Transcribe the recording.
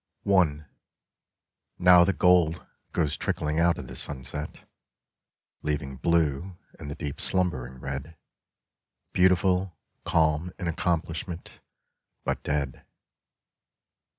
I. NOW the gold goes trickling out of the sunset, Leaving blue and the deep slumbering red : (Beautiful, calm in accomplishment, but dead).